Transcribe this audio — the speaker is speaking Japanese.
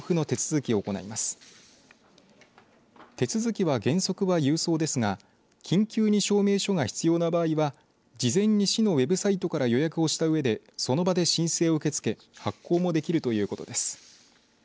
手続きは原則は郵送ですが緊急に証明書が必要な場合は事前に市のウェブサイトから予約をしたうえでその場で申請を受け付け発行もできるということです。